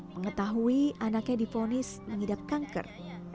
mengetahui anaknya difonis mengidap kanker